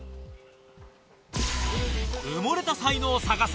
埋もれた才能探せ！